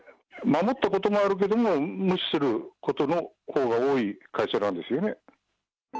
守ったこともあるけども、無視することのほうが多い会社なんですよね。